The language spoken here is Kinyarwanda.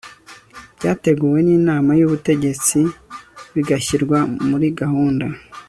byateguwe n inama y ubutegetsi bigashyirwa muri gahunda